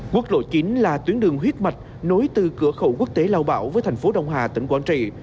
quốc lộ chín là tuyến đường huyết mạch nối từ cửa khẩu quốc tế lao bảo với thành phố đông hà tỉnh quảng trị